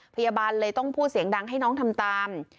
พยาบาลเลยต้องพูดเสียงดังให้น้องทำตาม